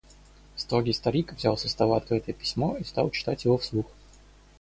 Строгий старик взял со стола открытое письмо и стал читать его вслух: